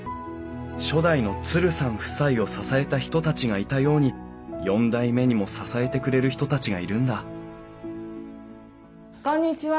初代のツルさん夫妻を支えた人たちがいたように４代目にも支えてくれる人たちがいるんだこんにちは。